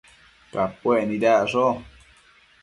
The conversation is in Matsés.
Capuec nidacsho